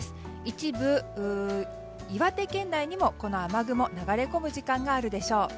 一部、岩手県内にもこの雨雲が流れ込む時間があるでしょう。